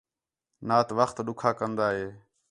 نات وخت ݙُکھا کندا ہِے